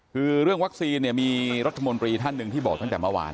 คือเรื่องวัคซีนเนี่ยมีรัฐมนตรีท่านหนึ่งที่บอกตั้งแต่เมื่อวาน